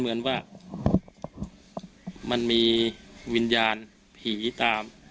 เหมือนว่ามันมีวิญญาณผีตาม